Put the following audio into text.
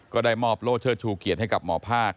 ก็ได้มอบโล่เชิดชูเกียรติให้กับหมอภาค